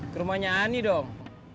ke rumahnya ani dong